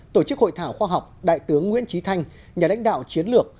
tổ chức hội thảo khoa học đại tướng nguyễn trí thanh nhà lãnh đạo chiến lược